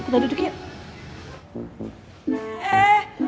kita duduk yuk